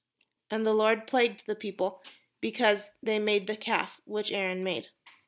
And the Lord plagued the people, because they made the calf, which Aaron made.